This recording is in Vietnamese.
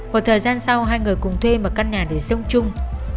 một thời gian sau hai người cùng thuê mở căn nhà để sống chung